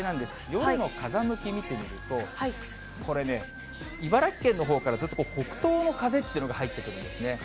夜の風向き見てみると、これね、茨城県のほうからずっと北東の風というのが入ってくるんですね。